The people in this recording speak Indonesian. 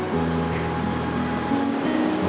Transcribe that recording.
lebih bagus perangkul